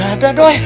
gak ada doi